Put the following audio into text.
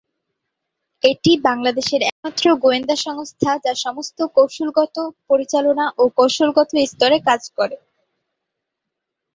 এটি বাংলাদেশের একমাত্র গোয়েন্দা সংস্থা যা সমস্ত কৌশলগত, পরিচালনা ও কৌশলগত স্তরে কাজ করে।